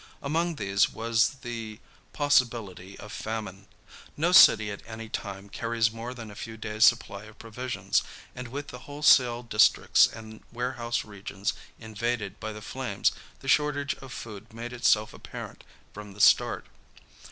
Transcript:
Among these was the possibility of famine. No city at any time carries more than a few days' supply of provisions, and with the wholesale districts and warehouse regions invaded by the flames the shortage of food made itself apparent from the start.